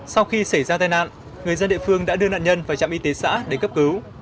sau khi xảy ra tai nạn người dân địa phương đã đưa nạn nhân vào trạm y tế xã để cấp cứu